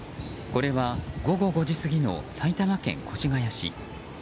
これは午後５時過ぎの埼玉県越谷市。